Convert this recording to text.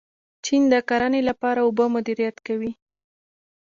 چین د کرنې لپاره اوبه مدیریت کوي.